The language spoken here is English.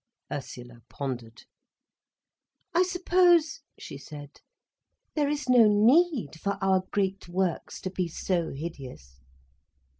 _" Ursula pondered. "I suppose," she said, "there is no need for our great works to be so hideous."